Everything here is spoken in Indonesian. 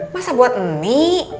masa buat ini